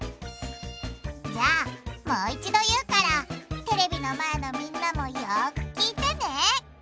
じゃあもう一度言うからテレビの前のみんなもよく聞いてね！